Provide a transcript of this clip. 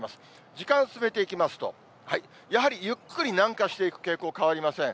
時間進めていきますと、やはりゆっくり南下していく傾向変わりません。